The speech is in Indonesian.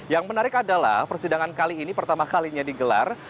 yang menarik adalah persidangan kali ini pertama kalinya digelar